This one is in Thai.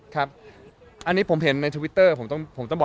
ครับผมครับ